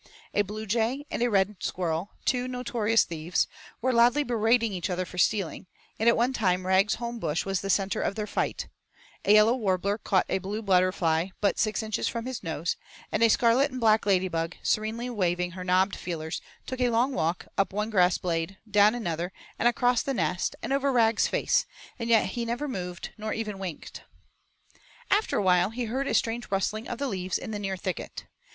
A bluejay and a red squirrel, two notorious thieves, were loudly berating each other for stealing, and at one time Rag's home bush was the centre of their fight; a yellow warbler caught a blue butterfly but six inches from his nose, and a scarlet and black ladybug, serenely waving her knobbed feelers, took a long walk up one grass blade, down another, and across the nest and over Rag's face and yet he never moved nor even winked. After a while he heard a strange rustling of the leaves in the near thicket.